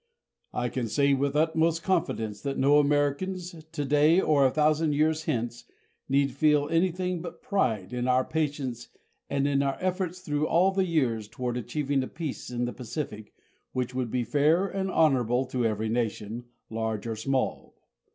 I can say with utmost confidence that no Americans, today or a thousand years hence, need feel anything but pride in our patience and in our efforts through all the years toward achieving a peace in the Pacific which would be fair and honorable to every nation, large or small.